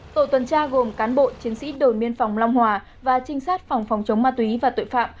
tổ tuần tra gồm cán bộ chiến sĩ đồn biên phòng long hòa và trinh sát phòng phòng chống ma túy và tội phạm